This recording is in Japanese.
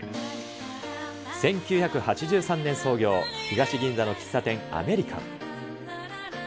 １９８３年創業、東銀座の喫茶店、アメリカン。